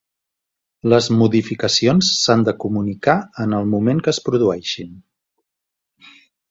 Les modificacions s'han de comunicar en el moment que es produeixin.